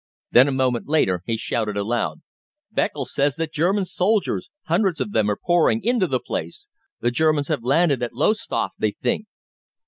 Then a moment later he shouted aloud: "Beccles says that German soldiers hundreds of them are pouring into the place! The Germans have landed at Lowestoft, they think."